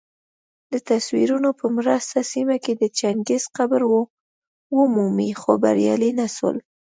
دتصویرونو په مرسته سیمه کي د چنګیز قبر ومومي خو بریالي نه سول